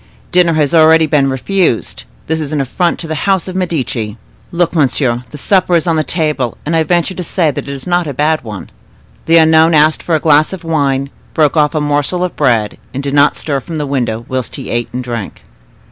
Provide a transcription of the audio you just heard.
Dinner has already been refused; this is affronting to the house of les Medici. Look, monsieur, the supper is on the table, and I venture to say that it is not a bad one." The unknown asked for a glass of wine, broke off a morsel of bread, and did not stir from the window whilst he ate and drank.